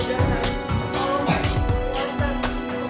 aku tidak mau